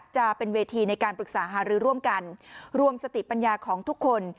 จะเป็นเวทีในการปรึกษาหารือร่วมกันรวมสติปัญญาของทุกคน